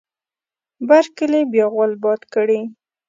بر کلي بیا غول باد کړی.